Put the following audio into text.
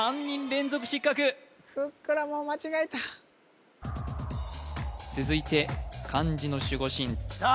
連続失格ふくらも間違えた続いて漢字の守護神きた！